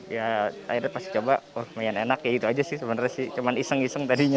ya akhirnya pasti coba oh lumayan enak ya itu aja sih sebenarnya sih cuman iseng iseng tadinya